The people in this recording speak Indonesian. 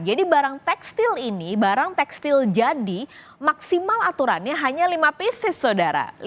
jadi barang tekstil ini barang tekstil jadi maksimal aturannya hanya lima pieces saudara